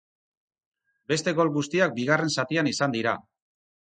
Beste gol guztiak bigarren zatian izan dira.